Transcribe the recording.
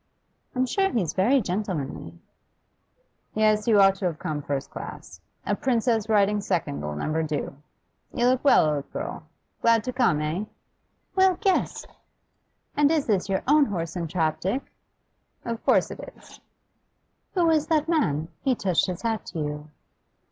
'I'm sure he's very gentlemanly.' 'Yes, you ought to have come first class. A princess riding second'll never do. You look well, old girl? Glad to come, eh?' 'Well, guess! And is this your own horse and trap, Dick?' 'Of course it is.' 'Who was that man? He touched his hat to you.